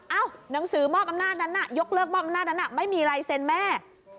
หนังสือมอบอำนาจนั้นน่ะยกเลิกมอบอำนาจนั้นไม่มีลายเซ็นแม่